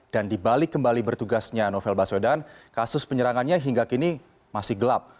dan dibalik kembali bertugasnya novel baswedan kasus penyerangannya hingga kini masih gelap